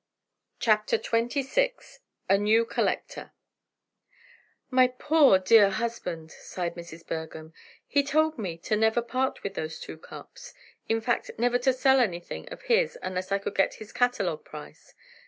CHAPTER XXVI A NEW COLLECTOR "My poor, dear husband," sighed Mrs. Bergham, "he told me to never part with those two cups, in fact, never to sell anything of his unless I could get his catalogue price.